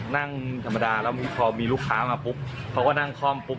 นั่งธรรมดาแล้วพอมีลูกค้ามาปุ๊บเขาก็นั่งคล่อมปุ๊บ